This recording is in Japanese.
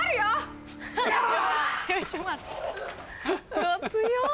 うわ強っ！